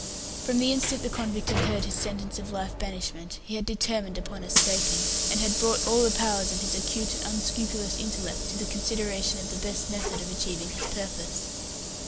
From the instant the convict had heard his sentence of life banishment, he had determined upon escaping, and had brought all the powers of his acute and unscrupulous intellect to the consideration of the best method of achieving his purpose.